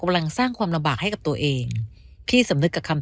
กำลังสร้างความระบาดให้กับตัวเองพี่สำนึกกับคำ